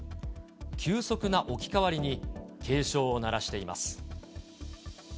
急速な置き換わりに警鐘を鳴らしています。